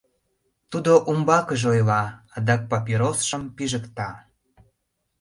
Тудо умбакыже ойла, адак папиросшым пижыкта.